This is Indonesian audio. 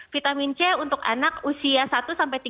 vitamin c untuk anak usia satu tiga tahun